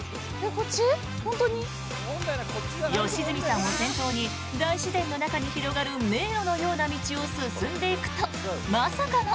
良純さんを先頭に大自然の中に広がる迷路のような道を進んでいくとまさかの。